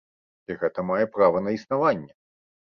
І гэта мае права на існаванне.